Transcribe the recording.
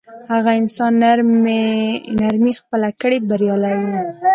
هغه انسان نرمي خپله کړي بریالی وي.